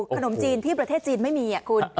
ขนมจีนที่ประเทศจีนไม่มีคุณ